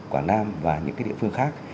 quảng nam và những cái địa phương khác